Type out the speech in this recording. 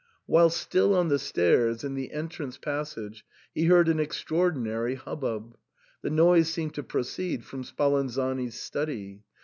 Whilst still on the stairs, in the entrance passage, he heard an extra ordinary hubbub ; the noise seemed to proceed from Spalanzani's study.